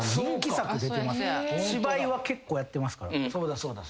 芝居は結構やってますから。